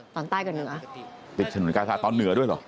ตอนใต้กับเหนือติดฉนวนกาซาตอนเหนือด้วยเหรอ